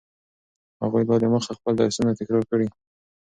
هغوی لا دمخه خپل درسونه تکرار کړي.